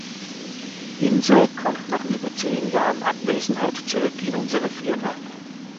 Inse kommt nach über zehn Jahren Abwesenheit zurück in unsere Firma.